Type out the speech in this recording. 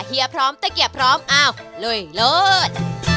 เฮียพร้อมตะเกียบพร้อมอ้าวลุยเลิศ